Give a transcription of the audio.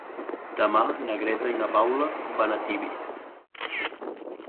Demà na Greta i na Paula van a Tibi.